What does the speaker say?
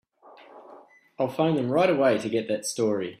I'll phone them right away to get that story.